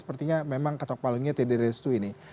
sepertinya memang ketok palungnya tidak restu ini